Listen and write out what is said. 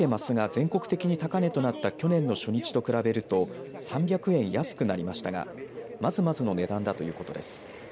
全国的に高値となった去年の初日と比べると３００円安くなりましたがまずまずの値段だということです。